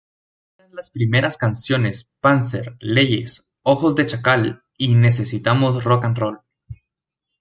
Logran las primeras canciones: ""Panzer"", ""Leyes"", ""Ojos de Chacal"" y ""Necesitamos Rock´n Roll"".